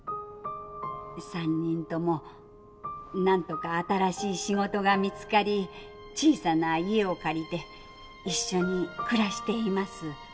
３人ともなんとか新しい仕事が見つかり小さな家を借りて一緒に暮らしています。